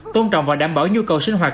tôn trọng và đảm bảo nhu cầu sinh hoạt